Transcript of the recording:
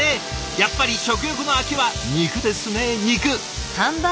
やっぱり食欲の秋は肉ですね肉！